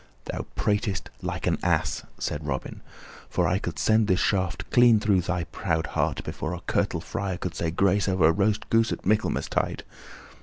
"Thou pratest like an ass," said Robin, "for I could send this shaft clean through thy proud heart before a curtal friar could say grace over a roast goose at Michaelmastide."